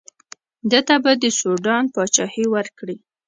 ده ته به د سوډان پاچهي ورکړي.